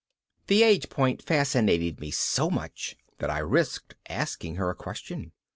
That age point fascinated me so much that I risked asking her a question.